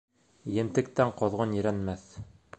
Емтектән ҡоҙғон ерәнмәҫ.